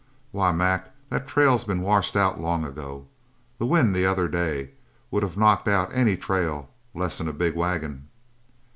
"Why, Mac, the trail's been washed out long ago. That wind the other day would of knocked out any trail less'n a big waggon."